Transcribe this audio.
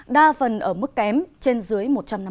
đa phần ở mức kém trên dưới một trăm năm mươi